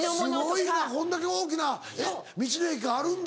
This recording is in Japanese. すごいなこんだけ大きな道の駅があるんだ。